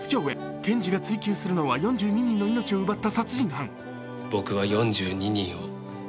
検事が追及するのは４２人の命を奪った殺人犯。